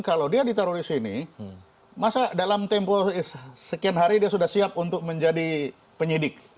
kalau dia ditaruh di sini masa dalam tempo sekian hari dia sudah siap untuk menjadi penyidik